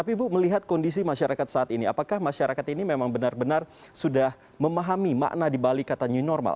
tapi ibu melihat kondisi masyarakat saat ini apakah masyarakat ini memang benar benar sudah memahami makna dibalik kata new normal